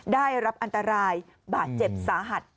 ได้รับอันตรายบาดเจ็บสาหัส